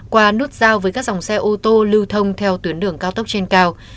qua nút giao với các dòng xe ô tô lưu thông theo tuyến đường cao tốc trên cao